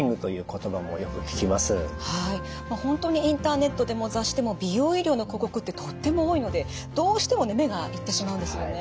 はい本当にインターネットでも雑誌でも美容医療の広告ってとっても多いのでどうしても目が行ってしまうんですよね。